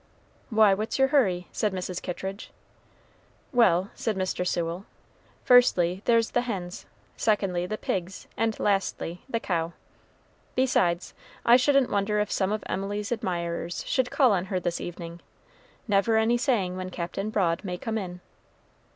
"Why, what's your hurry?" said Mrs. Kittridge. "Well," said Mr. Sewell, "firstly, there's the hens; secondly, the pigs; and lastly, the cow. Besides I shouldn't wonder if some of Emily's admirers should call on her this evening, never any saying when Captain Broad may come in."